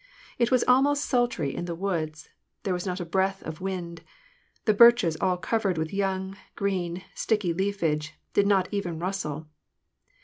It was almost sultry in the woods ; there was not a breath of wind ; the birches, all covered with young, green, sticky leafage, did not even rustle.